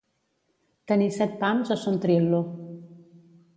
Tenir set pams a Son Tril·lo.